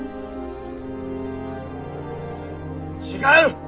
違う。